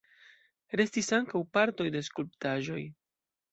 Restis ankaŭ partoj de skulptaĵoj.